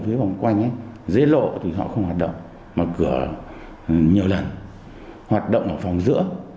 phía vòng quanh dế lộ thì họ không hoạt động mở cửa nhiều lần hoạt động ở phòng giữa